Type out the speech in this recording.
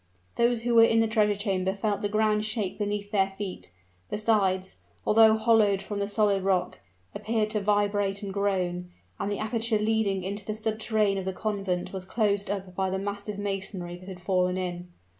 Those who were in the treasure chamber felt the ground shake beneath their feet; the sides although hollowed from the solid rock appeared to vibrate and groan, and the aperture leading into the subterrane of the convent was closed up by the massive masonry that had fallen in.